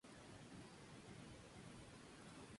Incluye un cover de Black Sabbath y otro de Jethro Tull.